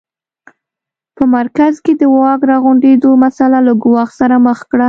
په مرکز کې د واک راغونډېدو مسٔله له ګواښ سره مخ کړه.